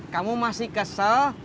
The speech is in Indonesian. kamu masih kesel